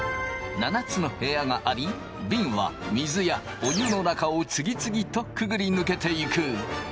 ７つの部屋がありびんは水やお湯の中を次々とくぐり抜けていく。